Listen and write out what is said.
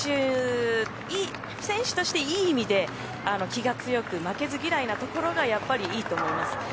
選手としていい意味で気が強く負けず嫌いなところがやっぱりいいと思います。